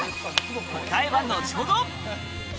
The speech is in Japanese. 答えは後ほど。